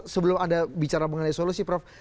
sebelum anda bicara mengenai solusi prof